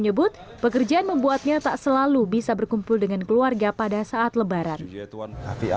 y untuk prudim any hatis diperlukan keessa felinan kee